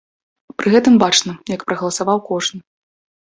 Пры гэтым бачна, як прагаласаваў кожны.